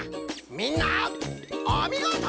みんなおみごと！